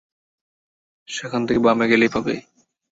সেখান থেকে বামে গেলেই পাবে।